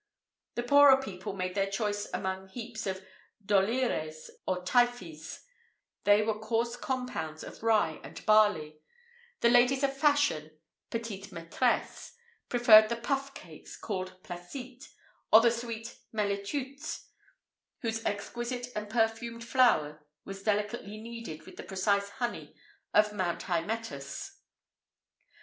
[IV 31] The poorer people made their choice among heaps of dolyres, or typhes: they were coarse compounds of rye and barley;[IV 32] the ladies of fashion (petites maitresses) preferred the puff cakes called placites,[IV 33] or the sweet melitutes, whose exquisite and perfumed flour was delicately kneaded with the precious honey of Mount Hymettus.